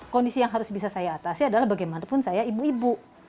kondisi yang harus bisa saya atasi adalah bagaimanapun saya ibu ibu